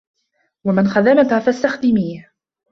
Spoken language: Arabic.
وَمَنْ خَدَمَك فَاسْتَخْدِمِيهِ